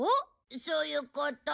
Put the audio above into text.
そういうこと。